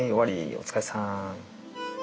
お疲れさん。